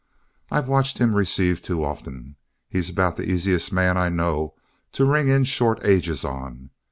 I've watched him receive too often; he's about the easiest man I know to ring in short ages on.